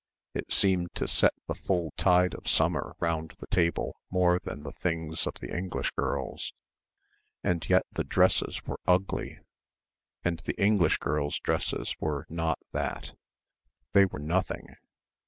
It seemed to set the full tide of summer round the table more than the things of the English girls and yet the dresses were ugly and the English girls' dresses were not that ... they were nothing